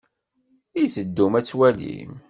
I teddum ad twalim?